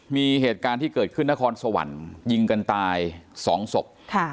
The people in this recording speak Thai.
มีเหตุการณ์ที่เกิดขึ้นนครสวรรค์ยิงกันตายสองศพ